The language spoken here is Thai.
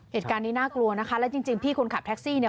เหตุการณ์นี้น่ากลัวนะคะและจริงพี่คนขับแท็กซี่เนี่ย